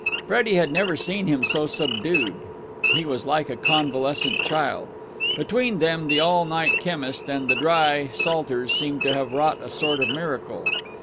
Freddie had never seen him so subdued. He was like a convalescent child. Between them, the all night chemist and the Dry. Salters seemed to have wrought a sort of miracle.